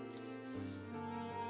ada beberapa hal yang terjadi